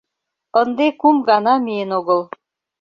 Ынде кум гана миен огыл.